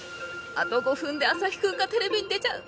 あと５分でアサヒくんがテレビに出ちゃう